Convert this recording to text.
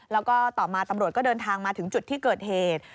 แล้วก็ต่อมาตำรวจก็เดินทางมาถึงจุดที่เกิดเหตุ